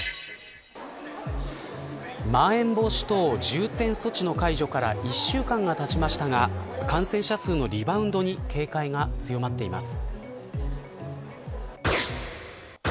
まん延防止等重点措置の解除から１週間が経ちましたが感染者数のリバウンドに警戒が強まっています。